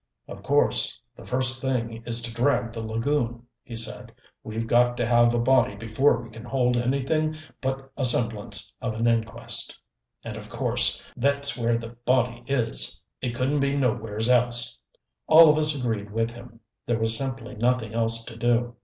"Of course the first thing is to drag the lagoon," he said. "We've got to have a body before we can hold anything but a semblance of an inquest and of course thet's where the body is. It couldn't be nowhere's else." All of us agreed with him. There was simply nothing else to do.